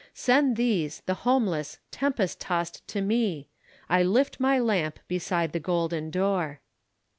_ Send these, the homeless, tempest tost to me, _I lift my lamp beside the golden door.